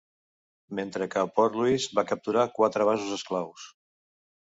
Mentre que a Port Louis va capturar quatre vasos esclaus.